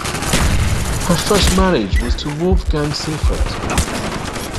Her first marriage was to Wolfgang Seyfert.